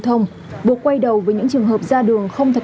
đang là một lực lượng của công an thành phố